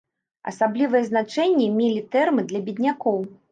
Асаблівае значэнне мелі тэрмы для беднякоў.